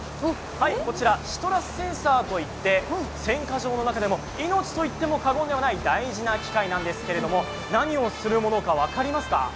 シトラスセンサーといって選果場の中でも命と言っても過言ではない大事な機械なんですけれども何をするものか分かりますか？